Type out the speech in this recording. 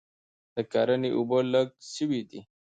د کرني اوبه لږ سوي دي